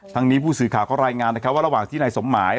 ทั้งนี้ผู้สื่อข่าวก็รายงานว่าระหว่างที่นายสมหมาย